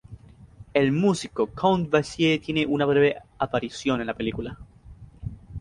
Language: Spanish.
El músico Count Basie tiene una breve aparición en la película.